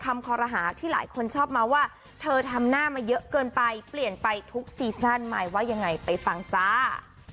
คอรหาที่หลายคนชอบมาว่าเธอทำหน้ามาเยอะเกินไปเปลี่ยนไปทุกซีซั่นมายว่ายังไงไปฟังจ้า